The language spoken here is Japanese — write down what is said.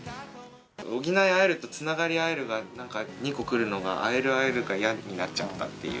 補え合えるとつながり合えるが、なんか２個くるのが合える、合えるが嫌になっちゃったっていう。